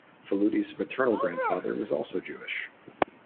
Faludi's maternal grandfather was also Jewish.